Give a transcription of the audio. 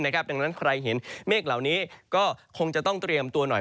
ดังนั้นใครเห็นเมฆเหล่านี้ก็คงจะต้องเตรียมตัวหน่อย